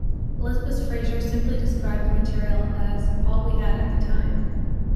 Elizabeth Fraser simply described the material as "all we had at the time".